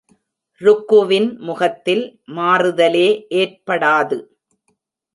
ருக்குவின் முகத்தில் மாறுதலே ஏற்படாது.